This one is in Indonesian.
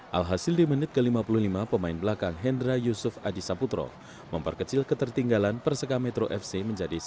alhasil di menit ke lima puluh lima pemain belakang hendra yusuf adi saputro memperkecil ketertinggalan perseka metro fc menjadi satu